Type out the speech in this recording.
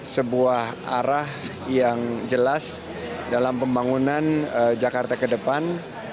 sebuah arah yang jelas dalam pembangunan jakarta ke depan